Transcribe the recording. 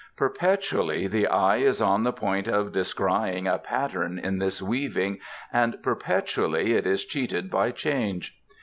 Perpetually the eye is on the point of descrying a pattern in this weaving, and perpetually it is cheated by change.